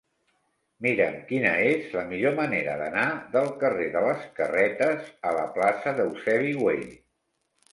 Mira'm quina és la millor manera d'anar del carrer de les Carretes a la plaça d'Eusebi Güell.